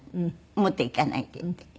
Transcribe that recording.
持っていかないでって。